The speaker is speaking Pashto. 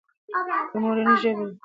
که مورنۍ ژبه وي، نو زده کړې تسهیل کیږي.